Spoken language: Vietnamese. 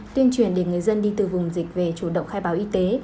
tuyên truyền để người dân đi từ vùng dịch về chủ động khai báo y tế